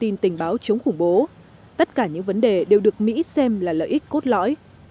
thông tin tình báo chống khủng bố tất cả những vấn đề đều được mỹ xem là lợi ích cốt lõi